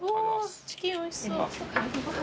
チキンおいしそう。